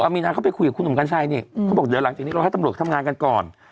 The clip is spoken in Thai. มีนาเข้าไปคุยกับคุณหนุ่มกัญชัยนี่เขาบอกเดี๋ยวหลังจากนี้รอให้ตำรวจทำงานกันก่อน